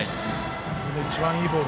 自分の一番いいボール